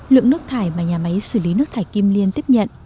lượng nước thải mà nhà máy xử lý nước thải kim liên tiếp nhận